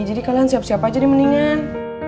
jadi kalian siap siap aja deh mendingan